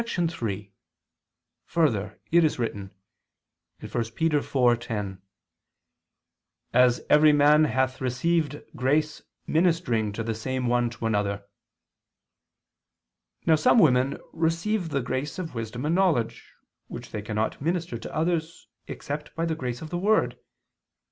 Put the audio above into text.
3: Further, it is written (1 Pet. 4:10): "As every man hath received grace ministering the same one to another." Now some women receive the grace of wisdom and knowledge, which they cannot minister to others except by the grace of the word.